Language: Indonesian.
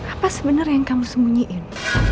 apa sebenarnya yang kamu sembunyiin